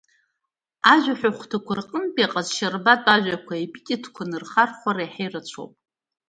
Ажәаҳәа хәҭақәа рҟынтәи аҟазшьарбатә ажәақәа епитетқәаны рхархәара иаҳа ирацәоуп.